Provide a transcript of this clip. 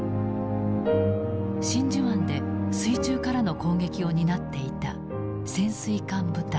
真珠湾で水中からの攻撃を担っていた潜水艦部隊。